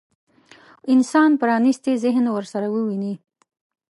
انسان پرانيستي ذهن ورسره وويني.